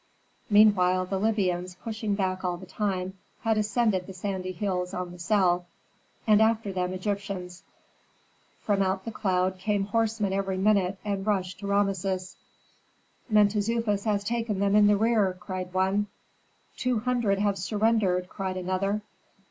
Meanwhile the Libyans, pushing back all the time, had ascended the sandy hills on the south, and after them Egyptians. From out the cloud came horsemen every minute and rushed to Rameses. "Mentezufis has taken them in the rear!" cried one. "Two hundred have surrendered!" cried another.